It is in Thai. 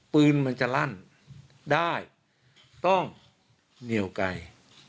ปืนมันจะลั่นได้ต้องเหนียวไกล